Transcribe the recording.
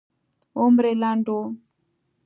عمر یې لنډ و.